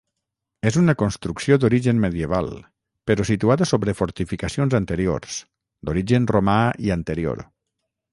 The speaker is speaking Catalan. És una construcció d'origen medieval però situada sobre fortificacions anteriors, d'origen romà i anterior.